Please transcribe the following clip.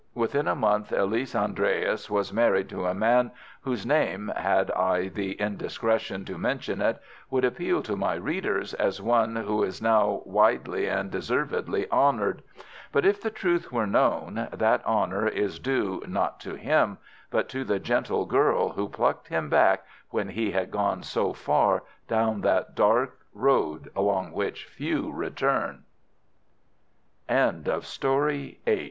Within a month Elise Andreas was married to a man whose name, had I the indiscretion to mention it, would appeal to my readers as one who is now widely and deservedly honoured. But if the truth were known, that honour is due not to him but to the gentle girl who plucked him back when he had gone so far down that dark road along w